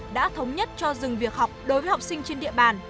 đã thống nhất cho dừng việc học đối với học sinh trên địa bàn